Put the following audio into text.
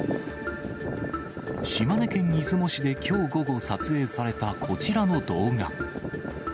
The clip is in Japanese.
島根県出雲市できょう午後撮影されたこちらの動画。